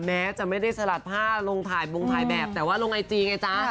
แม้จะไม่ได้สลัดผ้าลงถ่ายบงถ่ายแบบแต่ว่าลงไอจีไงจ๊ะ